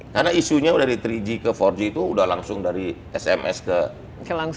karena isunya dari tiga g ke empat g itu sudah langsung dari sms ke sms